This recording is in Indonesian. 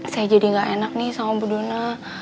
saya jadi gak enak nih sama bu dona